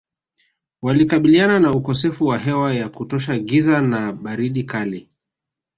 Walikabiliana na ukosefu wa hewa ya kutosha giza na baridi kali